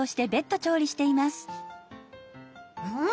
うん！